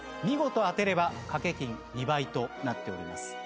見事当てれば賭け金２倍となっております。